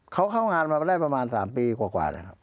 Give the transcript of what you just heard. เขาเข้างานมาได้ประมาณ๓ปีกว่า